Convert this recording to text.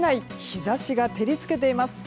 日差しが照り付けています。